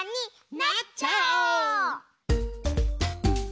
なっちゃおう！